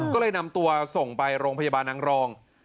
ก็เลยนำตัวส่งไปโรงพยาบาลนางรอง